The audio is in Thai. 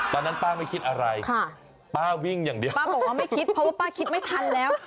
ตอนนั้นป้าไม่คิดอะไรป้าวิ่งอย่างเดียวป้าบอกว่าไม่คิดเพราะว่าป้าคิดไม่ทันแล้ว